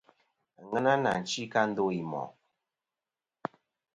Àŋena nà chi kɨ a ndo i mòʼ.